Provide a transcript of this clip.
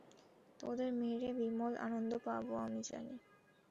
তোদের মেরে বিমল আনন্দ পাবো আমি!